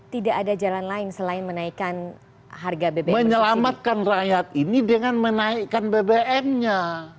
tidak ada jalan lain selain menaikkan harga bbm menyelamatkan rakyat ini dengan menaikkan bbm nya